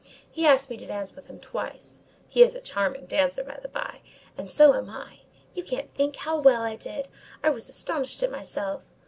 He asked me to dance with him twice—he is a charming dancer, by the by, and so am I: you can't think how well I did—I was astonished at myself.